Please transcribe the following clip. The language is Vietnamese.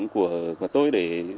của tôi để